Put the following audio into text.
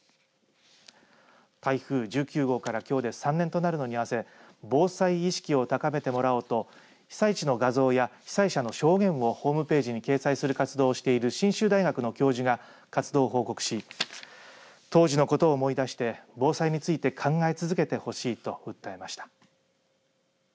台風１９号からきょうで３年となるのに合わせ防災意識を高めてもらおうと被災地の画像や被災者の証言をホームページに掲載する活動をしている信州大学の教授が活動報告をし当時のこと思い出して防災について考え続けてほしいと訴えました。